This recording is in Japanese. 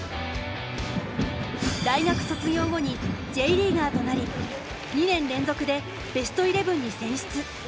大学卒業後にＪリーガーとなり２年連続でベストイレブンに選出。